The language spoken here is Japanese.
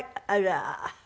あら！